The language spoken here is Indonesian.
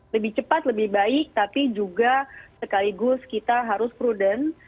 lebih cepat lebih baik tapi juga sekaligus kita harus prudent